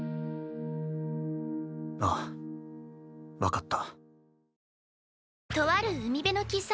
ああ分かった。